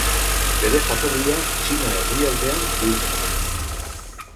Bere jatorria Txina erdialdean du.